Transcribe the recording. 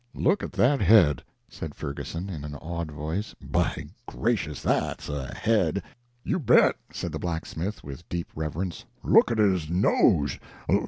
"Look at that head!" said Ferguson, in an awed voice. "By gracious! that's a head!" "You bet!" said the blacksmith, with deep reverence. "Look at his nose!